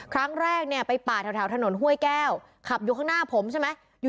ครั้งแรกเนี่ยไปป่าแถวถนนห้วยแก้วขับอยู่ข้างหน้าผมใช่ไหม